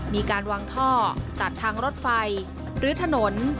มีการวางท่อตัดทางรถไฟหรือถนน